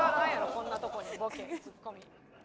こんなとこにボケツッコミ。